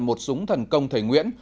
một súng thần công thầy nguyễn